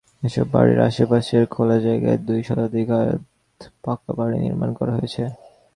এসব বাড়ির আশপাশের খোলা জায়গায় দুই শতাধিক আধপাকা বাড়ি নির্মাণ করা হয়েছে।